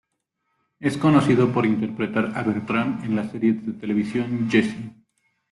Es conocido por interpretar a Bertram en la serie de televisión Jessie.